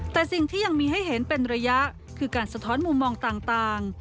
แต่สิ่งที่ยังมีให้เห็นเป็นระยะคือการสะท้อนมุมมองต่าง